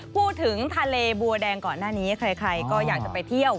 พูดถึงทะเลบัวแดงก่อนหน้านี้ใครก็อยากจะไปเที่ยว